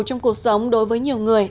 trong cuộc sống đối với nhiều người